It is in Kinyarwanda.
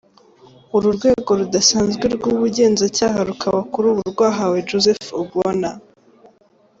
Uru rwego rudasanzwe rw’ubugenzacyaha rukaba kuri ubu rwahawe Joseph Obwona.